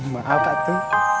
maaf kak tu